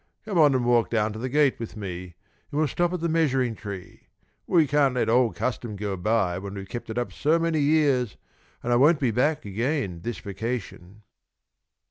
"Come on and walk down to the gate with me, and we'll stop at the measuring tree. We can't let the old custom go by when we've kept it up so many years, and I won't be back again this vacation."